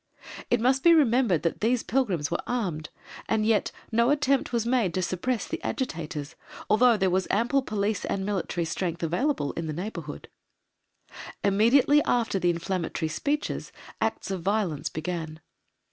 It must be remembered that these pilgrims were armed, and yet no attempt was made to suppress the agitators, although there was ample police and military strength available in the neighbourhood. Immediately after the inflammatory speeches, acts of violence began.